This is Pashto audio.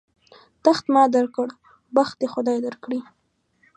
تخت ما در کړ، بخت دې خدای در کړي.